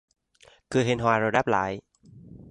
Cười hiền hòa rồi đáp lại